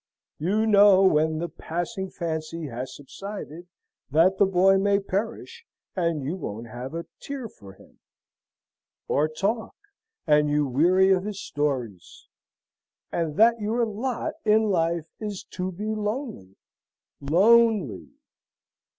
You know, when the passing fancy has subsided, that the boy may perish, and you won't have a tear for him; or talk, and you weary of his stories; and that your lot in life is to be lonely lonely."